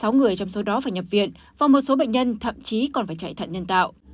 sáu người trong số đó phải nhập viện và một số bệnh nhân thậm chí còn phải chạy thận nhân tạo